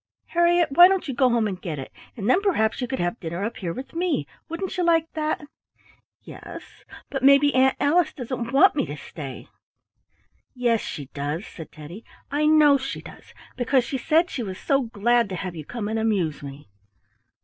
"Harriett, why don't you go home and get it, and then perhaps you could have diner up here with me; wouldn't you like that?" "Yes, but maybe Aunt Alice doesn't want me to stay." "Yes, she does," said Teddy. "I know she does, because she said she was so glad to have you come and amuse me."